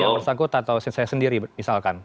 yang bersangkutan atau saya sendiri misalkan